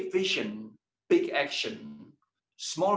vision besar aksi besar